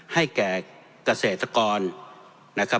ให้แก่เกษตรกร